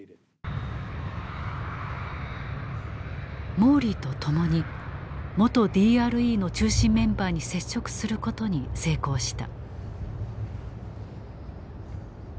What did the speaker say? モーリーと共に元ＤＲＥの中心メンバーに接触することに成功した。